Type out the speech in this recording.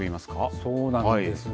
そうなんですね。